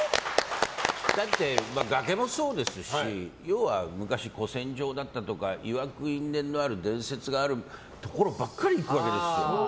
崖もそうですし要は昔、戦場だったとかいわく因縁のあるところばっかり行くわけです。